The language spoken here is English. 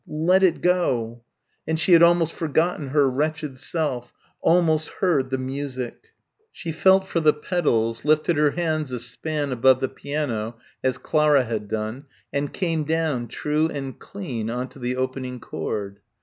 Let it go!" And she had almost forgotten her wretched self, almost heard the music.... She felt for the pedals, lifted her hands a span above the piano as Clara had done and came down, true and clean, on to the opening chord.